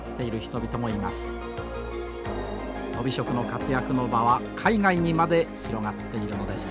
とび職の活躍の場は海外にまで広がっているのです。